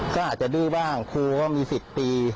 ก็อาจจะดื้อบ้างครูก็มีสิทธิ์ตี